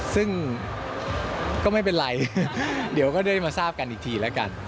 ซึ่งก็ไม่เป็นไรเดี๋ยวก็ได้มาทราบกันอีกทีแล้วกัน